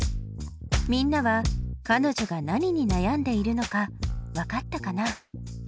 みんなはかのじょが何に悩んでいるのかわかったかな？